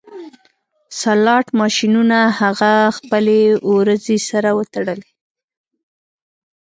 سلاټ ماشینونه هغه خپلې وروځې سره وتړلې